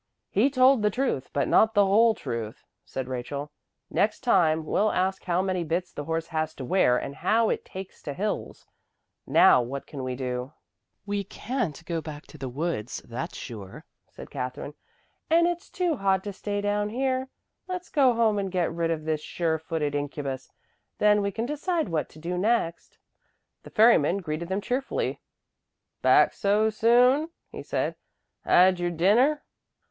"He told the truth, but not the whole truth," said Rachel. "Next time we'll ask how many bits the horse has to wear and how it takes to hills. Now what can we do?" "We can't go back to the woods, that's sure," said Katherine. "And it's too hot to stay down here. Let's go home and get rid of this sure footed incubus, and then we can decide what to do next." The ferryman greeted them cheerfully. "Back so soon?" he said. "Had your dinner?"